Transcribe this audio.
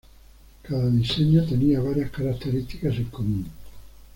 Cada diseño tenía varias características en común.